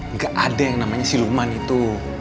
nggak ada yang namanya siluman itu